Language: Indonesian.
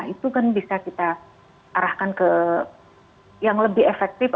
itu kan bisa kita arahkan ke yang lebih efektif